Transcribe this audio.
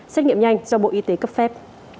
xét nghiệm nhanh do bộ y tế cấp phép